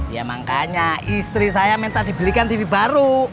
ya makanya istri saya minta dibelikan tv baru